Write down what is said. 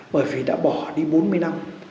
bởi vì đã bỏ đi bốn mươi năm